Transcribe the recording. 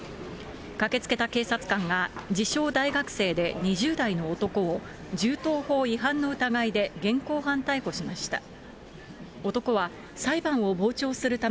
駆けつけた警察官が自称大学生で２０代の男を、銃刀法違反の疑いで現行犯逮捕しました。